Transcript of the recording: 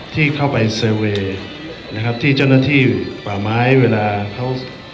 ที่เข้าไปเซอร์เวย์นะครับที่เจ้าหน้าที่ป่าไม้เวลาเขา